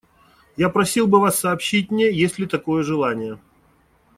Я просил бы вас сообщить мне, есть ли такое желание.